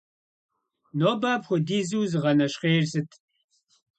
Нобэ апхуэдизу узыгъэнэщхъейр сыт?